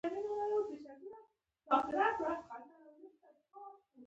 پیاوړی باور غرونه خوځولی شي.